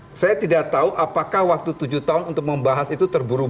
oke saya tidak tahu apakah waktu tujuh tahun untuk memulai rkuhp